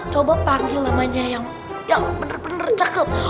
coba panggil namanya yang bener bener cakep